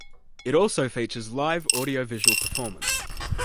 It also features live audiovisual performance.